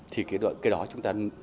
thì cái đó chúng ta